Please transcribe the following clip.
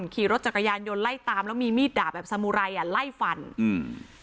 ขี่รถจักรยานยนต์ไล่ตามแล้วมีมีดดาบแบบสมุไรอ่ะไล่ฟันอืม